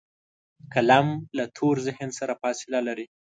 قلم له تور ذهن سره فاصله لري